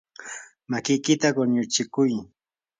makiykita quñutsikuy.